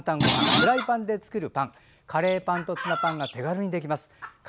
フライパンで作るパンカレーパンとツナパンが手軽にできます。